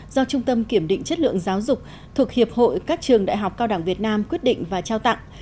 do trung tâm kiểm định chất lượng giáo dục thuộc hiệp hội các trường đại học cao đẳng việt nam quyết định và trao tặng